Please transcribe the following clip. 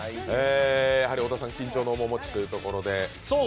小田さん、緊張の面持ちというところで。